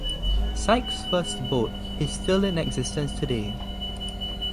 Sykes' first boat is still in existence today.